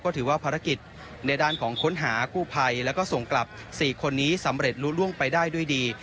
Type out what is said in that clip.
ถือว่าภารกิจในด้านของค้นหากู้ภัยแล้วก็ส่งกลับ๔คนนี้สำเร็จรู้ล่วงไปได้ด้วยดี